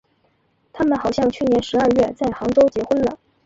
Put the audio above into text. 他们好像去年十二月在杭州结婚了。